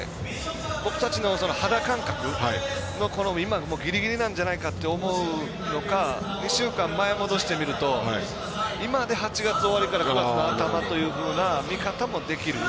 なので、僕たちの肌感覚の今のギリギリなんじゃないかと思うのか２週間前戻してみると今で８月後ろから９月頭という見方もできる。